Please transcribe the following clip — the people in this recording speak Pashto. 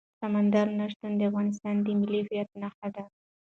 سمندر نه شتون د افغانستان د ملي هویت نښه ده.